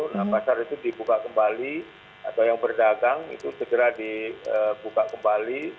nah pasar itu dibuka kembali atau yang berdagang itu segera dibuka kembali